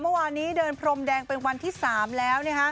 เมื่อวานนี้เดินพรมแดงเป็นวันที่๓แล้ว